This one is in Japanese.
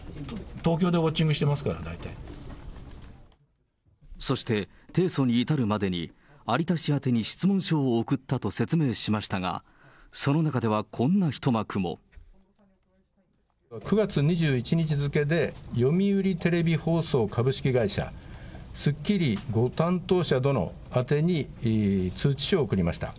東京でウォッチングしていますから、そして、提訴に至るまでに、有田氏宛てに質問書を送ったと説明していますが、その中ではこん９月２１日付で、読売テレビ放送株式会社、スッキリご担当者殿宛てに通知書を送りました。